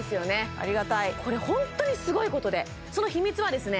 ありがたいこれホントにすごいことでその秘密はですね